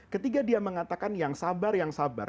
ketiga dia mengatakan yang sabar